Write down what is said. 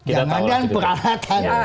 jangan ada peralatan